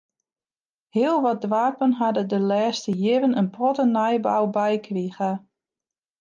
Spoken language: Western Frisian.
Heel wat doarpen ha der de lêste jierren in protte nijbou by krige.